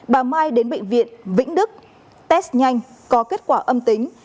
bà mai đến bệnh viện vĩnh đức test nhanh có kết quả âm tính